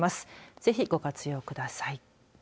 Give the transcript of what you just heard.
ぜひご活用ください。